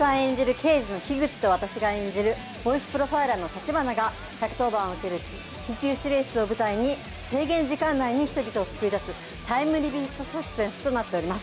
刑事の樋口と私が演じるボイスプロファイラーの橘が緊急指令室を舞台に制限時間内に人々を救うタイムリミットサスペンスとなっています。